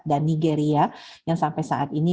dan nigeria yang sampai saat ini